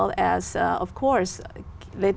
khi đến đây